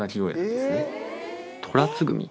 トラツグミ？